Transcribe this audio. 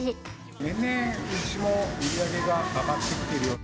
年々、うちも売り上げが上がってきているような。